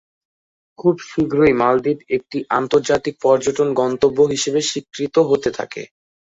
খুব শীঘ্রই, মালদ্বীপ একটি আন্তর্জাতিক পর্যটন গন্তব্য হিসেবে স্বীকৃত হতে থাকে।